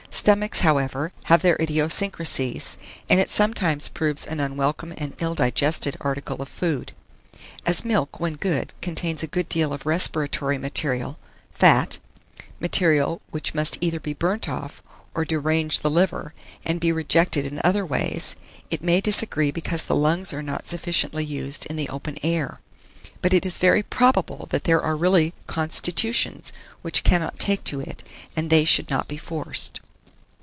Stomachs, however, have their idiosyncrasies, and it sometimes proves an unwelcome and ill digested article of food. As milk, when good, contains a good deal of respiratory material (fat), material which must either be burnt off, or derange the liver, and be rejected in other ways, it may disagree because the lungs are not sufficiently used in the open air. But it is very probable that there are really "constitutions" which cannot take to it; and they should not be forced.